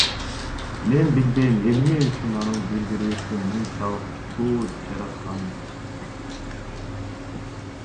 Мен билбейм эмне үчүн анын билдирүүсү мынчалык чуу жаратканын.